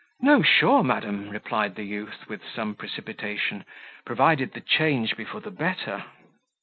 "No, sure, madam," replied the youth, with some precipitation, "provided the change be for the better."